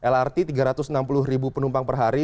lrt tiga ratus enam puluh ribu penumpang per hari